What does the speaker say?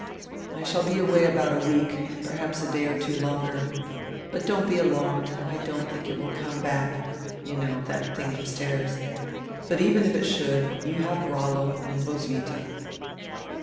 I shall be away about a week, perhaps a day or two longer. But don't be alarmed — I don't think it will come back — You know, that tiling upstairs — But even if it should, you have Rollo and Roswitha."